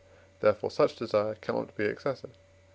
Therefore, such desire cannot be excessive.